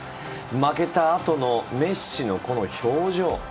負けたあとのメッシの表情。